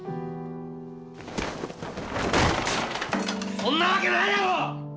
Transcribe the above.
そんなわけないだろ！